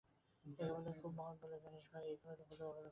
একে খুব মহৎ বলেই জানিস ভাই–একে কোনোদিন ভুলেও অবজ্ঞা করিস নে।